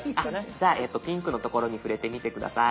じゃあピンクの所に触れてみて下さい。